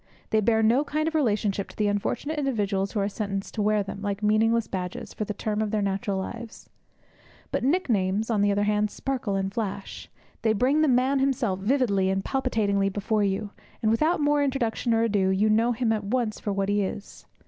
They bear no kind of relationship to the unfortunate individuals who are sentenced to wear them, like meaningless badges, for the term of their natural lives. But nicknames, on the other hand, sparkle and flash; they bring the man himself vividly and palpitatingly before you; and without more introduction or ado, you know him at once for what he is.